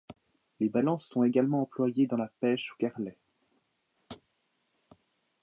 Les balances sont, également, employées dans la pêche au carrelet.